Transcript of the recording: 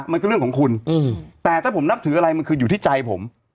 มันก็เรื่องของคุณแต่ถ้าผมนับถืออะไรมันคืออยู่ที่ใจผม